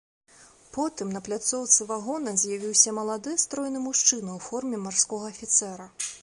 Потым на пляцоўцы вагона з'явіўся малады стройны мужчына ў форме марскога афіцэра.